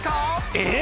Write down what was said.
えっ！？